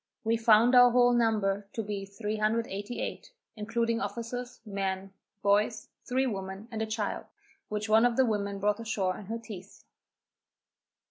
We found our whole number to be 388, including officers, men, boys, three women and a child, which one of the women brought ashore in her teeth.